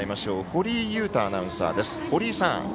堀井優太アナウンサーです。